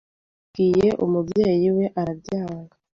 yabibwiye umubyeyi we arabyanga